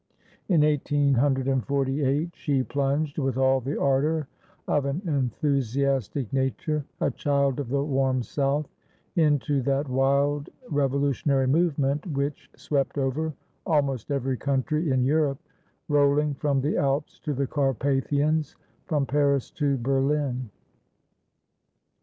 In 1848 she plunged with all the ardour of an enthusiastic nature a child of the warm South into that wild revolutionary movement which swept over almost every country in Europe, rolling from the Alps to the Carpathians, from Paris to Berlin.